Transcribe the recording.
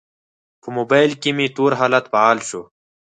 په موبایل کې مې تور حالت فعال شو.